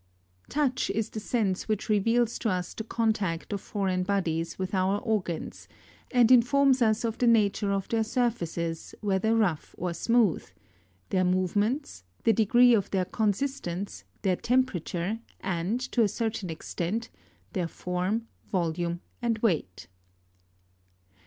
7. Touch is the sense which reveals to us the contact of foreign bodies with our organs and informs us of the nature of their sur faces whether rough or smooth, their movements, the degree of their consistence, their temperature, and, to a certain extent, their form, volume and weight.